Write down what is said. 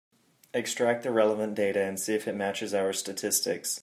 Extract the relevant data and see if it matches our statistics.